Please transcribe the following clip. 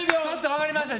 分かりました。